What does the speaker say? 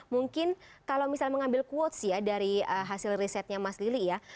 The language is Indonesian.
mungkin kalau misal mengambil quotes ya dari hasil risetnya mas lili ya